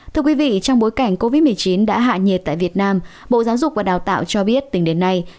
thưa quý vị trong bối cảnh covid một mươi chín đã hạ nhiệt tại việt nam bộ giáo dục và đào tạo cho biết tính đến nay